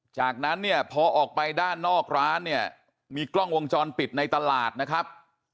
จากนั้นเนี่ยพอออกไปด้านนอกร้านเนี่ยมีกล้องวงจรปิดในตลาดนะครับ